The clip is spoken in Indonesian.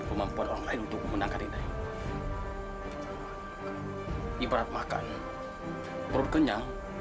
sampai jumpa di video selanjutnya